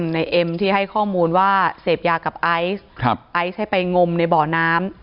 ในเอ็มที่ให้ข้อมูลว่าเสพยากับไอซ์ไอซ์ให้ไปงมในบ่อน้ำ